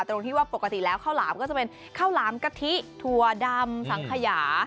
ตรงที่ว่าปกติแล้วข้าวล้ำเป็นกะทิถั่วดำซังขยะ